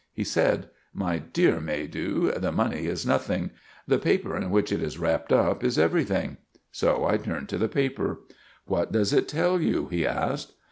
He said, "My dear Maydew, the money is nothing; the paper in which it is wrapped up is everything." So I turned to the paper. "What does it tell you?" he asked.